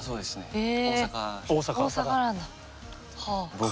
へえ。